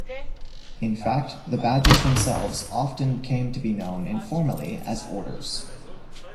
In fact, the badges themselves often came to be known informally as "orders".